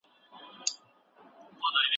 وروسته پاته والي د خلګو ژوند تريخ کړی و.